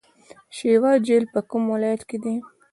شیوا جهیل په کوم ولایت کې دی؟